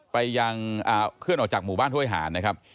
ไปยังเคลื่อนออกจากหมู่บ้านห้วยหานนะครับ